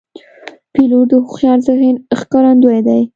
پیلوټ د هوښیار ذهن ښکارندوی دی.